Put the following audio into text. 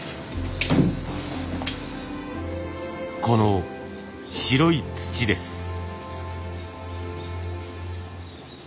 この白い土です。